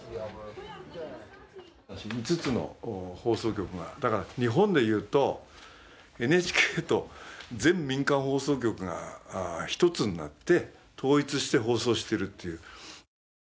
５つの放送局が、日本でいうとＮＨＫと全民間放送局が１つになって統一して放送してるっていう。